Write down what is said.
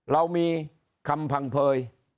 เรามีคำพังเผย